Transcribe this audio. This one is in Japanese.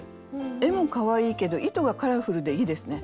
絵もかわいいけど糸がカラフルでいいですね。